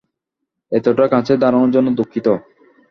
এতটা কাছে দাঁড়ানোর জন্য দুঃখিত।